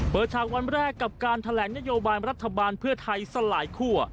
ฉากวันแรกกับการแถลงนโยบายรัฐบาลเพื่อไทยสลายคั่ว